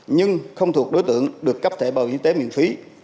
nhưng không thuộc đối tượng được cấp thẻ bảo hiểm y tế miễn phí